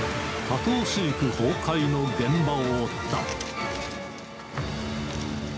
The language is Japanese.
多頭飼育崩壊の現場を追った。